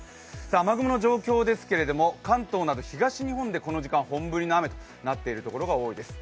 雨雲の状況ですけれども、関東など東日本でこの時間本降りの雨となっているところが多いです。